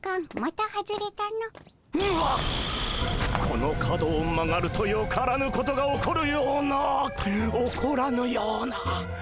この角を曲がるとよからぬことが起こるような起こらぬような。